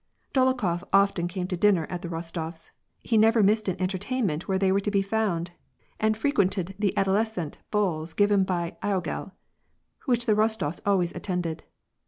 Dolokhof often came to dinner at the Bostofs' ; he never missed an entertainment where they were to be found, and fre quented the adoleacentes balls given by logel, which the Ros tofs always attended.